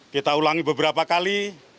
kita ulangi beberapa kali